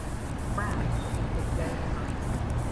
Brann defeated Dana Knight.